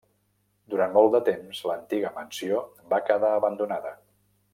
Durant molt de temps, l'antiga mansió va quedar abandonada.